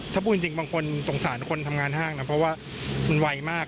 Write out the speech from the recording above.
ถ้าพูดจริงบางคนสงสารคนทำงานห้างนะเพราะว่ามันไวมาก